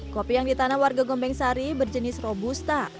kopi yang ditanam warga gombeng sari berjenis robusta